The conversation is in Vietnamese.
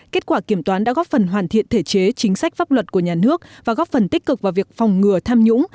kết quả kiểm toán đã góp phần hoàn thiện thể chế chính sách pháp luật của nhà nước và góp phần tích cực vào việc phòng ngừa tham nhũng